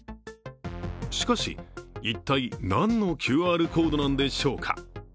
しかし一体、何のＱＲコードなんでしょうか？